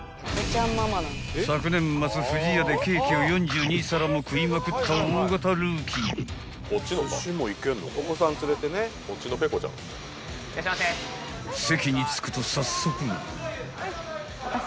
［昨年末不二家でケーキを４２皿も食いまくった大型ルーキー］いらっしゃいませ。